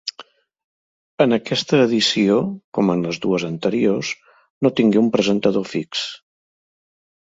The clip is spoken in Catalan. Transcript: En aquesta edició, com en les dues anteriors, no tingué un presentador fix.